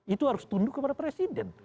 itu harus tunduk kepada presiden